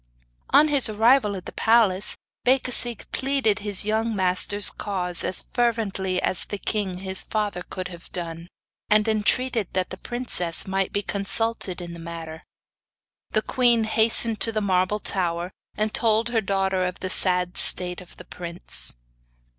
On his arrival at the palace Becasigue pleaded his young master's cause as fervently as the king his father could have done, and entreated that the princess might be consulted in the matter. The queen hastened to the marble tower, and told her daughter of the sad state of the prince.